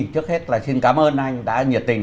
trước hết là xin cảm ơn anh đã nhiệt tình